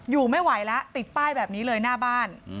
อยู่ไม่ไหวแล้วติดป้ายแบบนี้เลยหน้าบ้าน